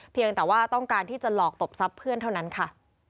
เพียงแต่ว่าต้องการที่จะหลอกตบทรัพย์เพื่อนเท่านั้นค่ะ